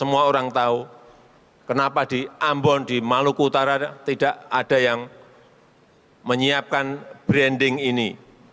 semua orang tahu kenapa di ambon di maluku utara tidak ada yang menyiapkan branding ini